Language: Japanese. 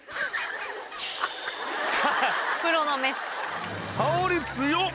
プロの目。